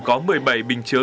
có một mươi bảy bình chứa